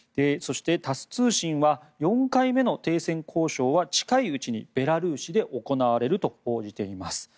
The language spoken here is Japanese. そしてタス通信は４回目の停戦交渉は近いうちにベラルーシで行われると報じています。